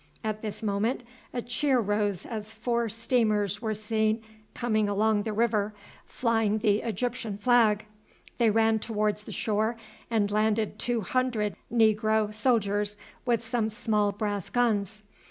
At this moment a cheer rose as four steamers were seen coming along the river flying the Egyptian flag. They ran towards the shore and landed two hundred negro soldiers with some small brass guns.